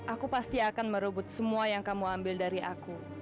aku pasti akan merebut semua yang kamu ambil dari aku